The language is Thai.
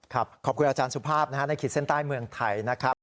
ขอบคุณอาจารย์สุภาพนะฮะในขีดเส้นใต้เมืองไทยนะครับ